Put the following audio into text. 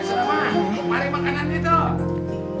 ya allah mau kemari makanannya tuh